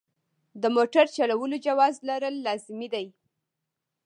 د موټر چلولو جواز لرل لازمي دي.